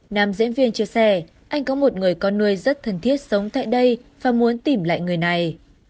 nam diễn viên chia sẻ anh có một người con nuôi rất thân thiết sống tại đây và muốn tìm lại người này